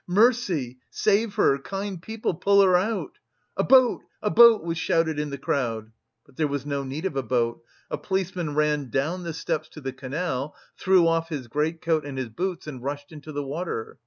"Mercy! save her! kind people, pull her out!" "A boat, a boat" was shouted in the crowd. But there was no need of a boat; a policeman ran down the steps to the canal, threw off his great coat and his boots and rushed into the water.